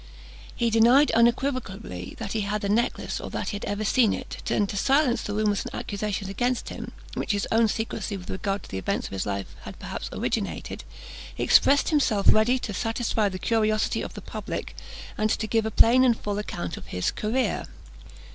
He denied unequivocally that he had the necklace, or that he had ever seen it; and to silence the rumours and accusations against him, which his own secrecy with regard to the events of his life had perhaps originated, he expressed himself ready to satisfy the curiosity of the public, and to give a plain and full account of his career.